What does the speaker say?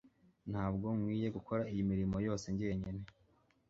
Ntabwo nkwiye gukora iyi mirimo yose njyenyine